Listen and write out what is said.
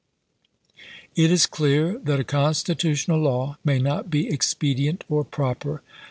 " It is clear that a constitutional law may not be expedient or proper.